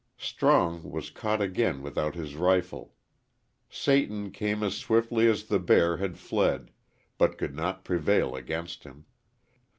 Strong was caught again without his rifle. Satan came as swiftly as the bear had fled, but could not prevail against him.